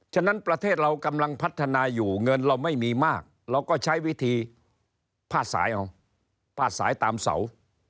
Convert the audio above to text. ฉะนั้นประเทศเรากำลังพัฒนาอยู่เงินเราไม่มีมากเราก็ใช้วิธีพาดสายเอาพาดสายตามเสา